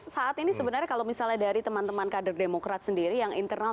saat ini sebenarnya kalau misalnya dari teman teman kader demokrat sendiri yang internal